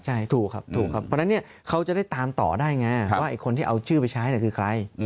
ใช่ถูกครับถูกครับเพราะฉะนั้นเนี่ยเขาจะได้ตามต่อได้ไงว่าไอ้คนที่เอาชื่อไปใช้คือใคร